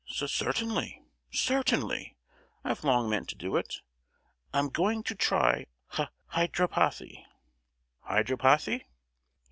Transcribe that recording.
"C—certainly, certainly! I've long meant to do it. I'm going to try hy—hydropathy!" "Hydropathy?"